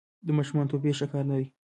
د ماشومانو توپیر ښه کار نه دی.